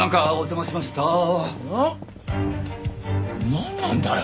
なんなんだよ。